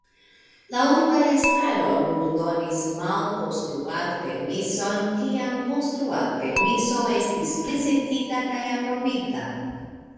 La urba estraro nur donis malkonstruad-permison kiam konstruad-permiso estis prezentita kaj aprobita.